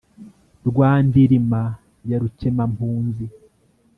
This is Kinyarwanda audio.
rwa ndirima ya rukemampunzi